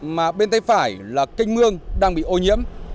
mà bên tay phải là canh mương đang bị ô nhiễm